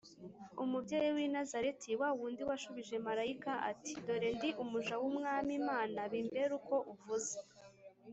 , umubyeyi w’i Nazareti, wa wundi washubije Marayika ati, ‘‘ Dore ndi umuja w’Umwami Imana, bimbere uko uvuze